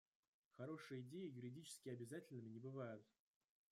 Хорошие идеи юридически обязательными не бывают.